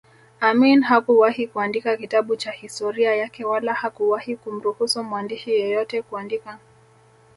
Amin hakuwahi kuandika kitabu cha historia yake wala hakuwahi kumruhusu mwandishi yeyote kuandika